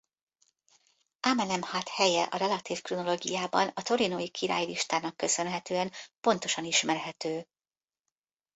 Amenemhat helye a relatív kronológiában a torinói királylistának köszönhetően pontosan ismerhető.